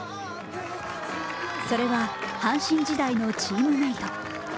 それは、阪神時代のチームメイト。